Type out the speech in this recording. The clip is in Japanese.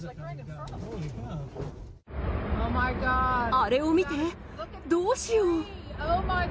あれを見て、どうしよう。